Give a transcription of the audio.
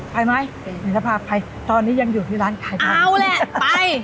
ไปไหมไปไปตอนนี้ยังอยู่ที่ร้านขายไปเอาแหละไป